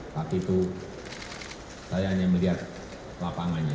tapi itu saya hanya melihat lapangannya